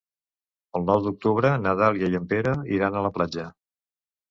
El nou d'octubre na Dàlia i en Pere iran a la platja.